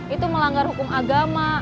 itu melanggar hukum agama